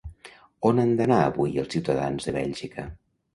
On han d'anar avui els ciutadans de Bèlgica?